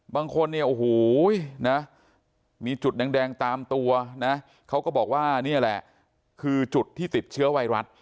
บางคนก็มีจุดแดงตามตัวเนอะก็บอกว่านี้แหละจุดที่ติดเชื้อไวรัส